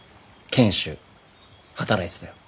賢秀働いてたよ。